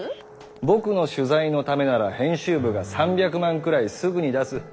僕の取材のためなら編集部が３００万くらいすぐに出す。